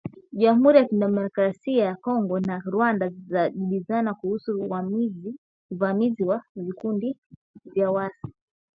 Jamhuri ya Kidemokrasia ya Kongo na Rwanda zajibizana kuhusu uvamizi wa vikundi vya waasi